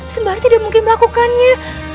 sembari tidak mungkin melakukannya